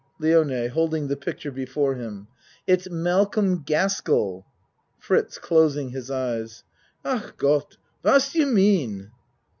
LIONE (Holding the picture before him.) It's Malcolm Gaskell! FRITZ (Closing his eyes.) Ach Gott! What do you mean?